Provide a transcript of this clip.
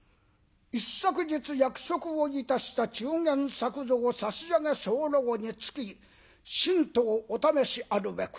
「『一昨日約束をいたした中間作蔵を差し上げ候につき新刀お試しあるべく。